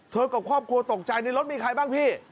กับครอบครัวตกใจในรถมีใครบ้างพี่